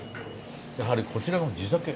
やはりこちらの地酒